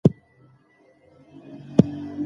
دا ټولنه د معاصرو ژبو د مطالعې لپاره جوړه شوې ده.